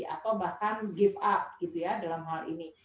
atau bahkan give up gitu ya dalam hal ini